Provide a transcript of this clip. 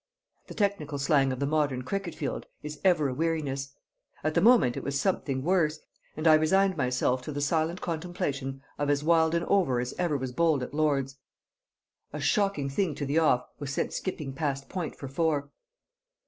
The technical slang of the modern cricket field is ever a weariness; at the moment it was something worse, and I resigned myself to the silent contemplation of as wild an over as ever was bowled at Lord's. A shocking thing to the off was sent skipping past point for four.